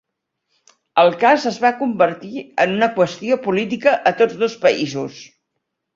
El cas es va convertir en una qüestió política a tots dos països.